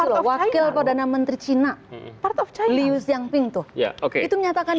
itu part of china wakil keadaan menteri cina part of china liu siangping tuh ya oke itu menyatakan